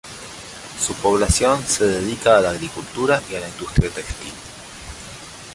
Su población se dedica a la agricultura y a la industria textil.